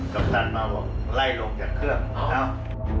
กัปตันมาบอกไล่ลงจากเครื่องเอ้า